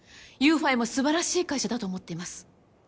ＹｏｕＦｉも素晴らしい会社だと思っています。